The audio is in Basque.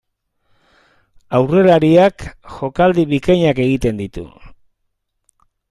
Aurrelariak jokaldi bikainak egin ditu.